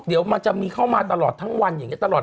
เดี๋ยวมันจะมีเข้ามาตลอดทั้งวันอย่างนี้ตลอด